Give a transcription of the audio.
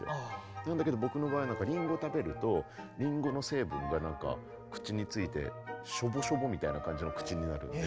なんだけど僕の場合リンゴを食べるとリンゴの成分がなんか口についてしょぼしょぼみたいな感じの口になるんで。